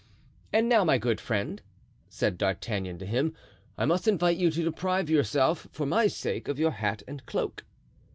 "And now, my good friend," said D'Artagnan to him, "I must invite you to deprive yourself, for my sake, of your hat and cloak."